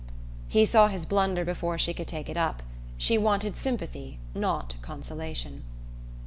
He saw his blunder before she could take it up: she wanted sympathy, not consolation.